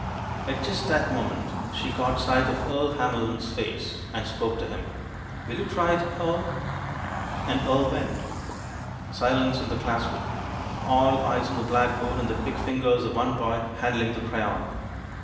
At just that moment she caught sight of Earle Hamlin's face, and spoke to him. "Will you try it, Earle?" And Earle went. Silence in the class room. All eyes on the blackboard, and the quick fingers of one boy handling the crayon.